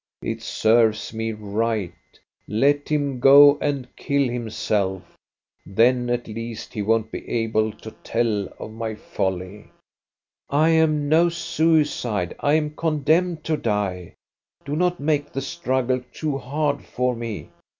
It serves me right Let him go and kill himself; then at least he won't be able to tell of my folly." INTRODUCTION 2$ " I am no suicide, I am condemned to die. Do not make the struggle too hard for me